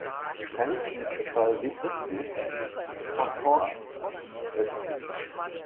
Paris liegt etwa südöstlich, Pontoise östlich.